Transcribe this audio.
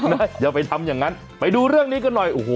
อย่าไปทำอย่างนั้นไปดูเรื่องนี้กันหน่อยโอ้โห